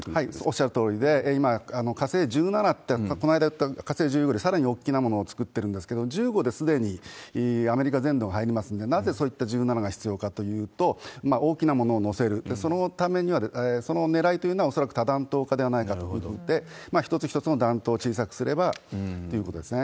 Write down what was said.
おっしゃるとおりで、今、火星１７ってこの間いった火星１６よりかなり大きなものを作ってるんですけれども、１５ですでにアメリカ全土が入りますので、なぜそういった１７が必要かというと、大きなものを載せる、そのねらいというのは恐らく多弾道化ではないかといわれていて、一つ一つの弾頭を小さくすればということですね。